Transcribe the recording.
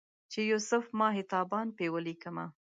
چې یوسف ماه تابان په ولیکمه